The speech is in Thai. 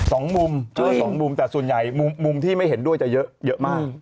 สองมุมแต่ส่วนใหญ่มุมที่ไม่เห็นด้วยจะเยอะมาก